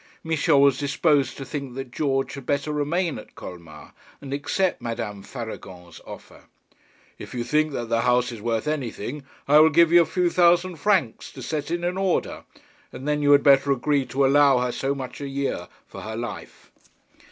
Michel was disposed to think that George had better remain at Colmar, and accept Madame Faragon's offer. 'If you think that the house is worth anything, I will give you a few thousand francs to set it in order; and then you had better agree to allow her so much a year for her life.'